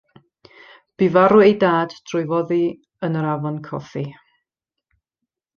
Bu farw ei dad trwy foddi yn yr afon Cothi.